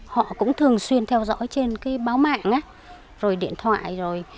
họ cũng thường xuyên theo dõi trên báo mạng rồi điện thoại